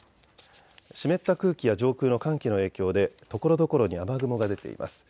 湿った空気や上空の寒気の影響でところどころに雨雲が出ています。